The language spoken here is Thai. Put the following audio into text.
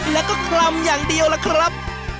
แล้วก็คลำอย่างเดียวล่ะครับ